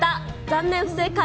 残念、不正解。